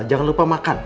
jangan lupa makan